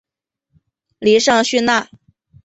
利尚叙纳。